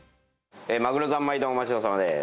まぐろ三昧丼お待ちどおさまです。